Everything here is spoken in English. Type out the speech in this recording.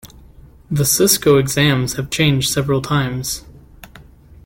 The Cisco exams have changed several times.